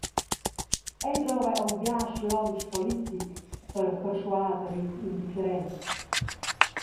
Ei drova aunc dabia slontsch politic per perschuader ils indifferents.